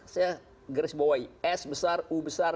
saya garis bawahi s besar u besar